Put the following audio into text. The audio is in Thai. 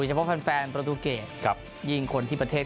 นี้เฉพาะแฟนปรุนตูเกกครับซึ่งคนที่ประเทศ